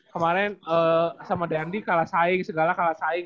kemaren sama dandy kalah saing segala kalah saing